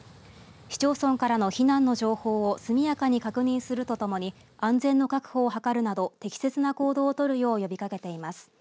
市町村からの避難情報を速やかに確認するとともに安全の確保を図るなど適切な行動を取るよう呼びかけています。